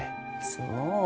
そう。